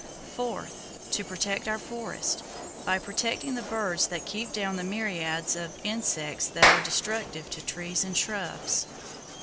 Fourth,—To protect our forests, by protecting the birds that keep down the myriads of insects that are destructive to trees and shrubs.